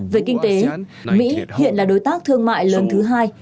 về kinh tế mỹ hiện là đối tác thương mại lớn thứ hai